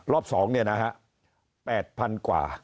รอบ๒เนี่ยนะฮะ๘๐๐๐กว่า